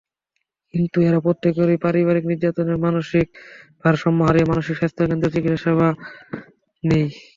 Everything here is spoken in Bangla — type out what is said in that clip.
কিন্তু এরা প্রত্যেকেই পারিবারিক নির্যাতনে মানসিক ভারসাম্য হারিয়ে মানসিক স্বাস্থ্যকেন্দ্রে চিকিৎসাসেবা নেয়।